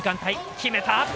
決めた！